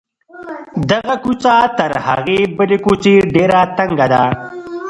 دغه کوڅه تر هغې بلې کوڅې ډېره تنګه ده.